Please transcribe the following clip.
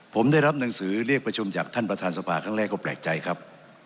ผมได้รับหนังสือเรียกประชุมจากท่านประธานสภาครั้งแรกก็แปลกใจครับ